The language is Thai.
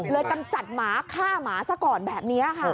กำจัดหมาฆ่าหมาซะก่อนแบบนี้ค่ะ